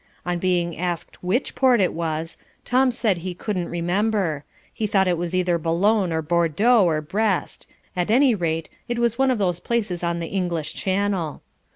On being asked WHICH port it was, Tom said he couldn't remember; he thought it was either Boulogne or Bordeaux or Brest, at any rate, it was one of those places on the English channel.